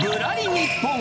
ニッポン。